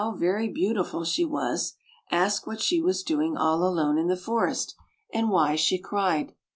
81 very beautiful she was, asked what she was doing all alone in the forest, and why she cried.